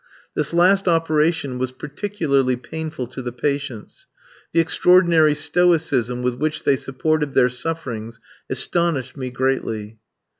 This last operation was particularly painful to the patients. The extraordinary stoicism with which they supported their sufferings astonished me greatly.